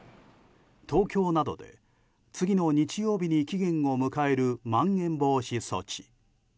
東京などで次の日曜に期限を迎える、まん延防止措置。